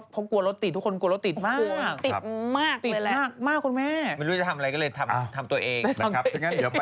พี่หนุ่มหนูคิดไม่ทันเลยค่ะ